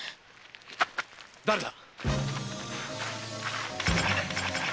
誰だ